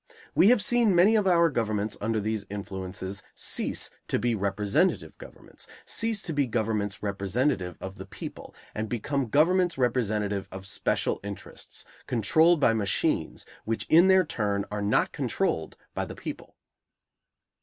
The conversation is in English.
We have seen many of our governments under these influences cease to be representative governments, cease to be governments representative of the people, and become governments representative of special interests, controlled by machines, which in their turn are not controlled by the people.